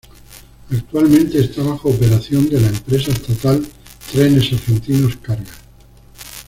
Actualmente está bajo operación de la empresa estatal Trenes Argentinos Cargas.